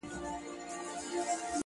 صبر وکړه لا دي زمانه راغلې نه ده!!